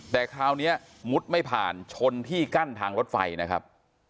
แต่คราวนี้มุดไม่ผ่านชนที่กั้นทางรถไฟนะครับ